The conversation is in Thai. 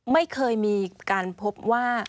ไม่เคยมีการพบว่า